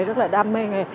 rất là đam mê nghề